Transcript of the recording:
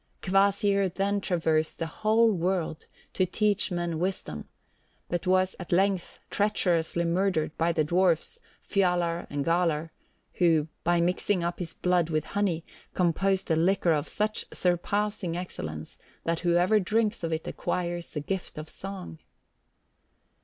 Kvasir then traversed the whole world to teach men wisdom, but was at length treacherously murdered by the dwarfs, Fjalar and Galar, who, by mixing up his blood with honey, composed a liquor of such surpassing excellence that whoever drinks of it acquires the gift of song.